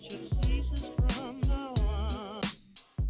mau bikin hidup dengan baik